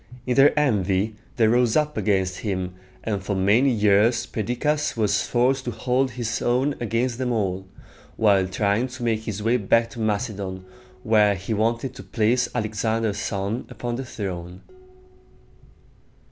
In their envy, they rose up against him; and for many years Perdiccas was forced to hold his own against them all, while trying to make his way back to Macedon, where he wanted to place Alexander's son upon the throne.